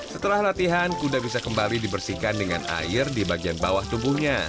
setelah latihan kuda bisa kembali dibersihkan dengan air di bagian bawah tubuhnya